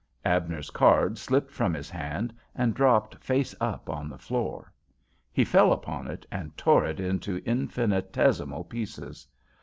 Abner's card slipped from his hand and dropped face up on the floor. He fell upon it and tore it into infinitesimal pieces.